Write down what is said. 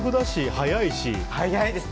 速いです。